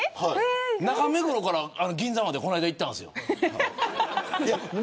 中目黒から銀座までこの間、行ったんです。